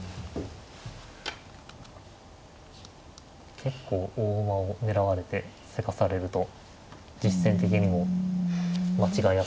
結構大駒を狙われてせかされると実戦的にも間違いやすいところですか。